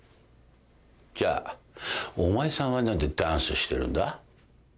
じゃあお前さんは何でダンスしてるんだ？